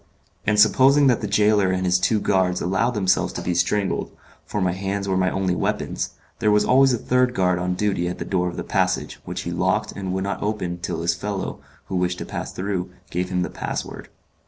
And supposing that the gaoler and his two guards allowed themselves to be strangled for my hands were my only weapons there was always a third guard on duty at the door of the passage, which he locked and would not open till his fellow who wished to pass through gave him the password.